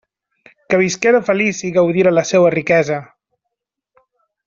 Que visquera feliç i gaudira la seua riquesa!